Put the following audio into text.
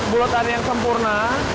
bulatan yang sempurna